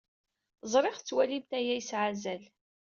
Ẓriɣ tettwalimt aya yesɛa azal.